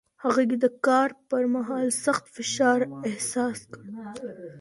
هغې د کار پر مهال سخت فشار احساس کړ.